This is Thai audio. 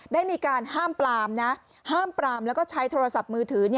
ได้มีการห้ามปลามนะห้ามปรามแล้วก็ใช้โทรศัพท์มือถือ